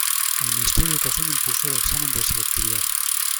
En el Ministerio de Educación impulsó el examen de selectividad.